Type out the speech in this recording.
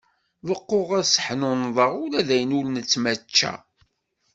Beqquɣ ad seḥnunḍeɣ ula dayen ur nettmačča.